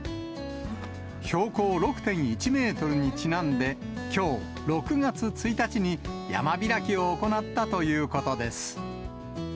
標高６．１メートルにちなんで、きょう６月１日に山開きを行ったということです。